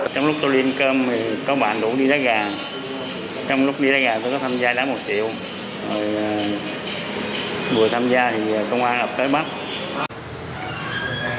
trong lúc tôi đi ăn cơm thì có bạn đủ đi đá gà